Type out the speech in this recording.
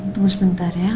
tunggu sebentar ya